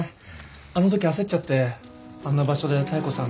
あのとき焦っちゃってあんな場所で妙子さん